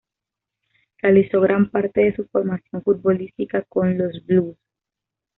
Realizó gran parte de su formación futbolística con los "Blues".